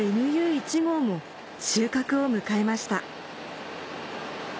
１号も収穫を迎えました